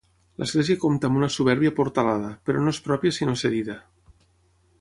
L'església compta amb una supèrbia portalada, però no és pròpia sinó cedida.